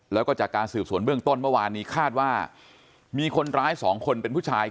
แล้วก็จากการสืบสวนเบื้องต้นเมื่อวานนี้คาดว่ามีคนร้ายสองคนเป็นผู้ชาย